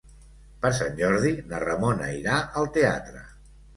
Per Sant Jordi na Ramona irà al teatre.